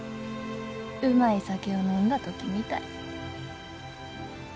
うまい酒を飲んだ時みたい。